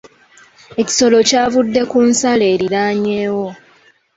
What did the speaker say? Ekisolo kyavude ku nsalo eriraanyeewo.